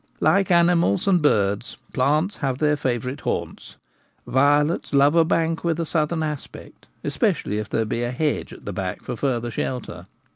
Like animals and birds, plants have their favourite haunts : violets love a bank with a southern aspect, Ways of the Flowers. 67 especially if there be a hedge at the back for further shelter.